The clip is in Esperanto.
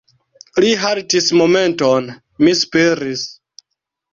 Li haltis momenton; mi spiris.